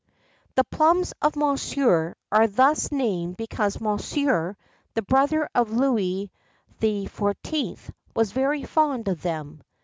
[XII 76] The plums of Monsieur are thus named because Monsieur, the brother of Louis XIV., was very fond of them.